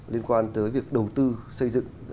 liên quan tới việc đầu tư xây dựng